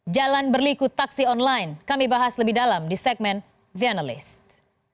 jalan berliku taksi online kami bahas lebih dalam di segmen the analyst